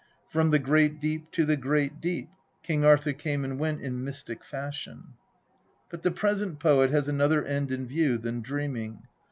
" From the great deep to the great deep " King Arthur came and went in mystic fashion. But the present poet has another end in view than dreaming.